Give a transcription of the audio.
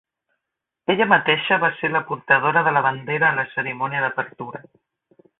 Ella mateixa va ser la portadora de la bandera a la cerimònia d'apertura.